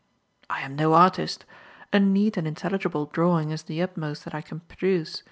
I am no artist. A neat and intelligible drawing is the utmost that I can produce.